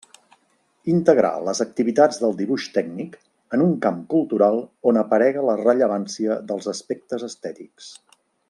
Integrar les activitats del Dibuix Tècnic en un camp cultural on aparega la rellevància dels aspectes estètics.